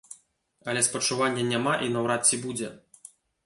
Але спачування няма і наўрад ці будзе.